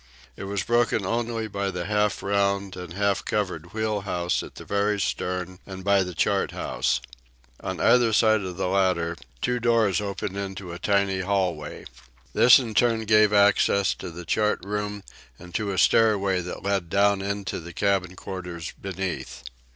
It was broken only by the half round and half covered wheel house at the very stern and by the chart house. On either side of the latter two doors opened into a tiny hallway. This, in turn, gave access to the chart room and to a stairway that led down into the cabin quarters beneath.